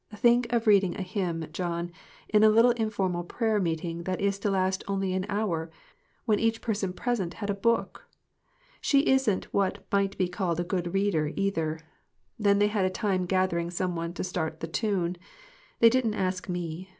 Think of reading a hymn, John, in a little informal prayer meeting that is to last only an hour, when each person present had a book ! She isn't what might be called a good reader, either. Then they had a time getting some one to start the tune. They didn't ask me.